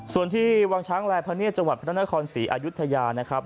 ส่วนที่วังช้างแลพะเนียดจังหวัดพระนครศรีอายุทยานะครับ